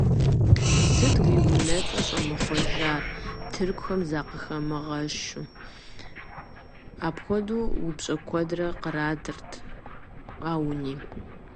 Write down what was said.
– Сыт уи унэцӀэр щӀумыхъуэжар, тыркухэм закъыхыумыгъэщу? – апхуэдэ упщӀэ куэдрэ къратырт Ауни.